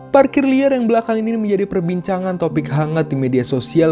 parkir liar yang belakang ini menjadi perbincangan topik hangat di media sosial